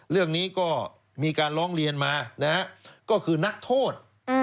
เรื่องนี้ก็มีการร้องเรียนมานะฮะก็คือนักโทษ